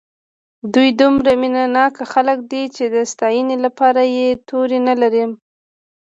دوی دومره مینه ناک خلک دي چې د ستاینې لپاره یې توري نه لرم.